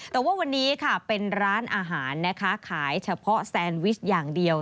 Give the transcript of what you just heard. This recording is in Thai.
แต่ว่าวันนี้ค่ะเป็นร้านอาหารนะคะขายเฉพาะแซนวิชอย่างเดียว